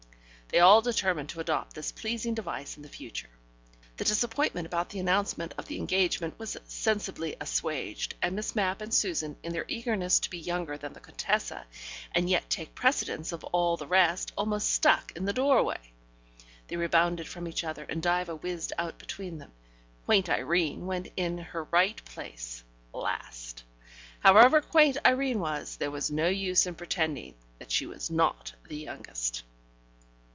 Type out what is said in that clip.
... They all determined to adopt this pleasing device in the future. The disappointment about the announcement of the engagement was sensibly assuaged, and Miss Mapp and Susan, in their eagerness to be younger than the Contessa, and yet take precedence of all the rest, almost stuck in the doorway. They rebounded from each other, and Diva whizzed out between them. Quaint Irene went in her right place last. However quaint Irene was, there was no use in pretending that she was not the youngest.